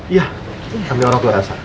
iya kami orang tua dari elf